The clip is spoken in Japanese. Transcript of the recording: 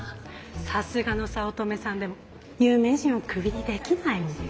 さすがの早乙女さんでも有名人をクビにできないもん。